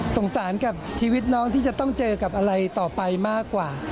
สารกับชีวิตน้องที่จะต้องเจอกับอะไรต่อไปมากกว่า